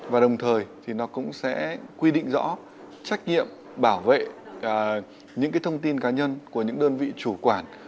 và đồng thời thì nó cũng sẽ quy định rõ trách nhiệm bảo vệ những thông tin cá nhân của những đơn vị chủ quản